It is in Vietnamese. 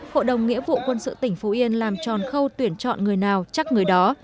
hội đồng nghĩa vụ quân sự tỉnh phú yên làm tròn khâu tuyển chọn người nào chắc người đó